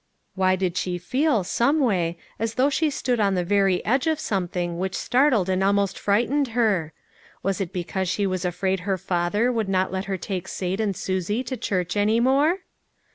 Why did she feel, someway, as though she stood on the very edge of something which startled and almost fright ened her ? Was it because she was afraid her father would not let her take Sate and Susie to church any more